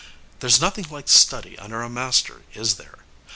There's nothing like study under a master, is there?